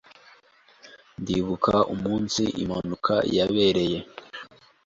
Ndibuka umunsi impanuka yabereye.